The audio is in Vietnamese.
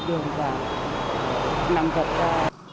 đường vào nằm gật ra